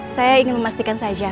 saya ingin memastikan saja